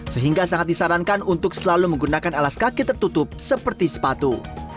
sehingga sangat disarankan untuk selalu menggunakan alas kaki tertutup seperti sepatu